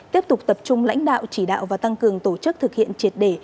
tiếp tục tập trung lãnh đạo chỉ đạo và tăng cường tổ chức thực hiện triệt để